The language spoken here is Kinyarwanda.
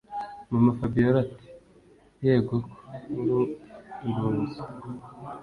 mama–fabiora ati”yegoko nkurungunzu